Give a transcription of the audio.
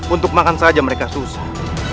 untuk makan saja mereka susah